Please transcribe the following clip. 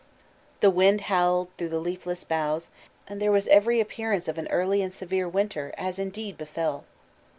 "The wind howled through the leafless boughs, and there was every appearance of an early and severe winter, as indeed befell.